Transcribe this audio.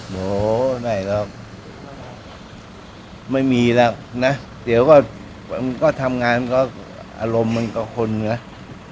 โห้ใดหรอกไม่มีแล้วนะเดี๋ยวก่อนทำงานก็อารมณ์มันก็ขนเนี่ย